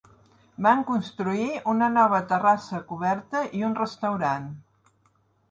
Van construir una nova terrassa coberta i un restaurant.